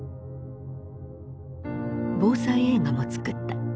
防災映画も作った。